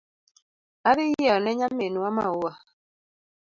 Adhi yieo ne nyaminwa maua